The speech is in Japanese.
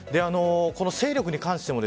勢力に関しても